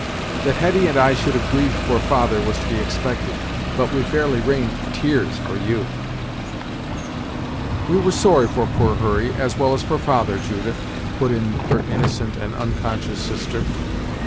"That Hetty and I should have grieved for father was to be expected; but we fairly rained tears for you." "We were sorry for poor Hurry, as well as for father, Judith!" put in her innocent and unconscious sister.